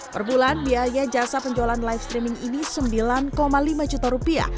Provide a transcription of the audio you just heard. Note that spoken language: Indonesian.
per bulan biaya jasa penjualan live streaming ini sembilan lima juta rupiah